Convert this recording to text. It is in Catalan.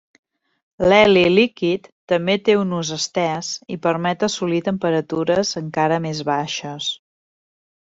L'heli líquid també té un ús estès i permet assolir temperatures encara més baixes.